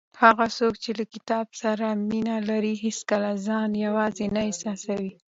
هغه څوک چې له کتاب سره مینه لري هیڅکله ځان یوازې نه احساسوي.